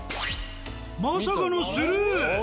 まさかのスルー。